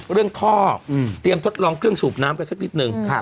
เรื่องท่อเตรียมทดลองเครื่องสูบน้ำกันสักนิดนึง